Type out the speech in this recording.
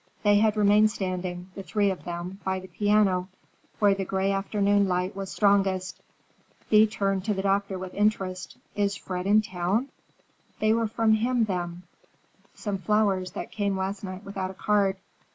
They had remained standing, the three of them, by the piano, where the gray afternoon light was strongest. Thea turned to the doctor with interest. "Is Fred in town? They were from him, then—some flowers that came last night without a card."